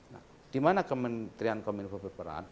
nah di mana kementerian komunikasi peran